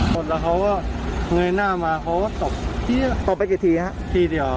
บอสละเขาก็เงยหน้ามาเขาก็ตอบตอบไปกี่ทีครับทีเดียว